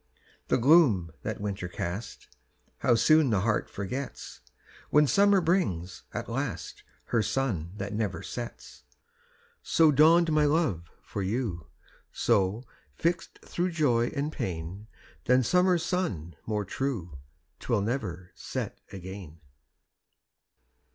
The gloom that winter cast, How soon the heart forgets, When summer brings, at last, Her sun that never sets! So dawned my love for you; So, fixt thro' joy and pain, Than summer sun more true, 'Twill never set again.